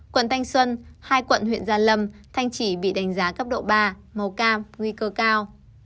quận thanh xuân hai quận huyện gia lâm thanh chỉ bị đánh giá cấp độ ba màu cam nguy cơ cao